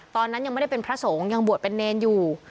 ตอนนั้นยังไม่ได้เป็นพระสงฆ์ยังบวชเป็นเนรอยู่